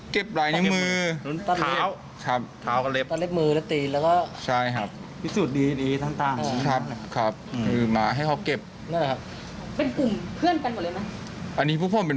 เคยผู้พันธุ์